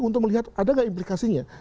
untuk melihat ada nggak implikasinya